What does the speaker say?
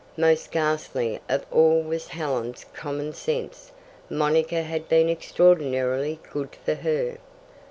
Most ghastly of all was Helen's common sense: Monica had been extraordinarily good for her.